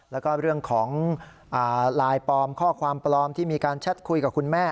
แล้วก็เรื่องของไลน์ปลอมข้อความปลอมที่มีการแชทคุยกับคุณแม่